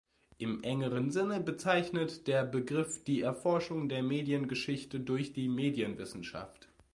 Im engeren Sinne bezeichnet der Begriff die Erforschung der Mediengeschichte durch die Medienwissenschaft.